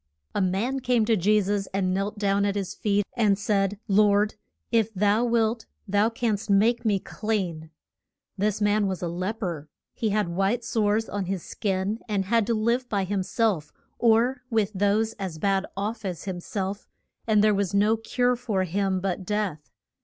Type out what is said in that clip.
A man came to Je sus and knelt down at his feet and said, Lord, if thou wilt thou canst make me clean. This man was a lep er. He had white sores on his skin, and had to live by him self or with those as bad off as him self, and there was no cure for him but death.